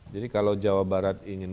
jadi kalau jawa barat ingin